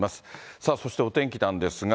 さあそして、お天気なんですが。